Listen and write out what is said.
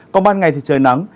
còn ban ngày thì trời nắng